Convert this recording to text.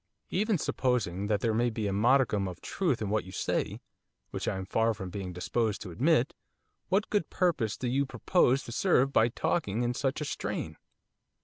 'Even supposing that there may be a modicum of truth in what you say, which I am far from being disposed to admit what good purpose do you propose to serve by talking in such a strain?